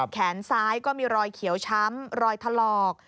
แขนซ้ายก็มีรอยเขียวช้ำรอยถลอก